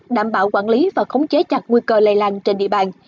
đảm bảo quản lý và khống chế chặt nguy cơ lây lan trên địa bàn